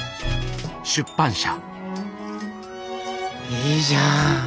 いいじゃん！